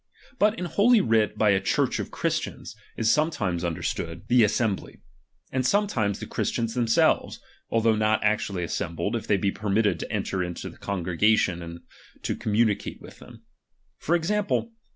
But in holy writ by a Church of Christians, is sometimes understood 276 RELIGION. CHAP.xvii. the assembly, aud sometimes the Christians them tr T^ selves, although not actually assembled, if they be nificsiinii. permitted to enter into the congregation and to communicate with them. For example.